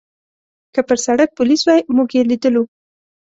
که پر سړک پولیس وای، موږ یې لیدلو.